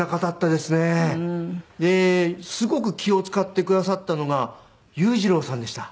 ですごく気を使ってくださったのが裕次郎さんでした。